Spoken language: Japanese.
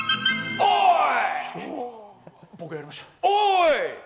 おい！